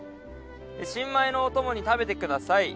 「新米のお供に食べて下さい。